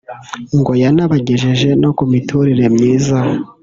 ngo yanabagejeje no ku miturire myiza